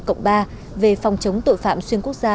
cộng ba về phòng chống tội phạm xuyên quốc gia